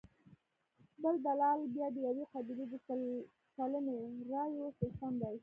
بل دلال بیا د یوې قبیلې د سل سلنې رایو څښتن دی.